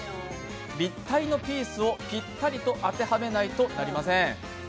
立体のピースをぴったりと当てはめないといけません。